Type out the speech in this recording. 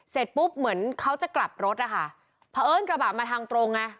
เสร็จปุ๊บเหมือนเขาจะกลับรถนะคะเพราะเอิ้นกระบะมาทางตรงไง